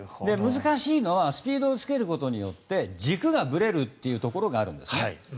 難しいのはスピードをつけることによって軸がぶれるというところがあるんですね。